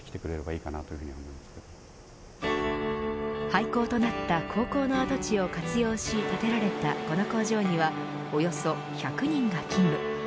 廃校となった高校の跡地を活用して建てられたこの工場にはおよそ１００人が勤務。